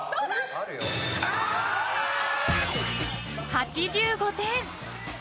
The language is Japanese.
８５点！